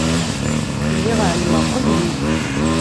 Lliɣ ɛelmeɣ qbel-im.